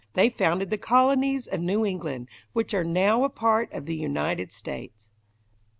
They founded the colonies of New England, which are now a part of the United States.